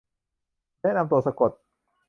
แนะนำตัวสะกด